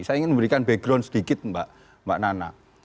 saya ingin memberikan background sedikit mbak nana